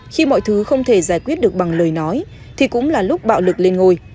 khi mọi thứ không thể giải quyết được bằng lời nói thì cũng là lúc bạo lực lên ngôi